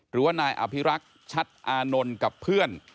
หรือว่านายอภิรักษ์ชัดอานนท์กับเพื่อน